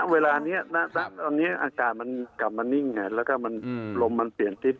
เวลานี้อากาศกลับมานิ่งเนี่ยแล้วก็ลมมันเปลี่ยนถิ่น